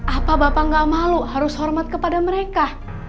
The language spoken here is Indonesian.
apa bapak gak malu harus hormat kepada mereka